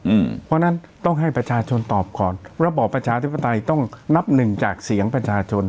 เพราะฉะนั้นต้องให้ประชาชนตอบก่อนระบอบประชาธิปไตยต้องนับหนึ่งจากเสียงประชาชน